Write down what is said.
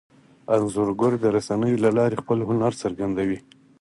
انځورګر د رسنیو له لارې خپل هنر څرګندوي.